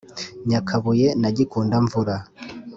Nyakabuye na Gikundamvura